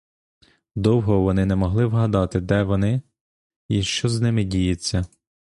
Довго вони не могли вгадати, де вони й що з ними діється.